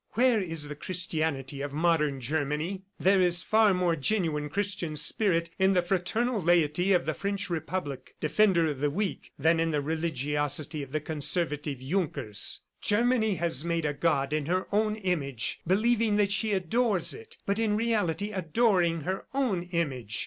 "Where is the 'Christianity of modern Germany? ... There is far more genuine Christian spirit in the fraternal laity of the French Republic, defender of the weak, than in the religiosity of the conservative Junkers. Germany has made a god in her own image, believing that she adores it, but in reality adoring her own image.